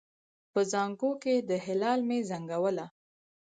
په زانګو کې د هلال مې زنګوله